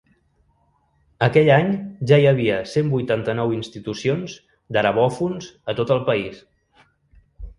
Aquell any ja hi havia cent vuitanta-nou institucions d’arabòfons a tot el país.